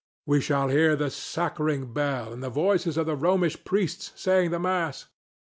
We shall hear the sacring bell and the voices of the Romish priests saying the mass.